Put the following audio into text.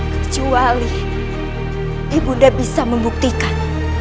kecuali ibunda bisa membuktikan